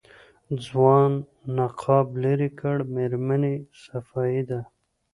ځوان نقاب لېرې کړ مېرمنې صفايي ده.